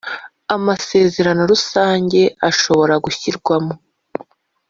Amasezerano rusange ashobora gushyirwamo